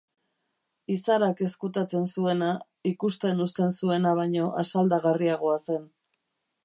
Izarak ezkutatzen zuena, ikusten uzten zuena baino asaldagarriagoa zen.